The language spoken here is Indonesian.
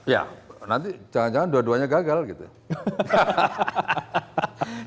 ya nanti jangan jangan dua duanya gagal gitu ya